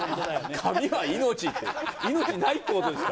髪は命って、命ないってことですか。